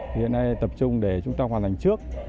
thì hiện nay tập trung để chúng ta hoàn thành trước